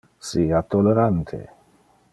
Sia tolerante.